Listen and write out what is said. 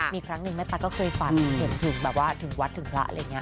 มีครั้งหนึ่งแม่ตั๊กก็เคยฝันเห็นถึงแบบว่าถึงวัดถึงพระอะไรอย่างนี้